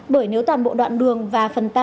bởi nếu toàn bộ đoạn đường và phần ta